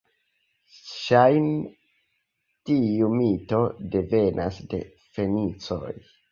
Ŝajne, tiu mito devenas de fenicoj.